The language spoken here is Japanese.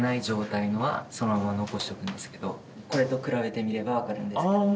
これと比べてみればわかるんですけども。